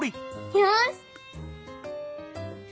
よし！